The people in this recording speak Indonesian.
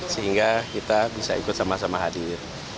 sehingga kita bisa ikut sama sama hadir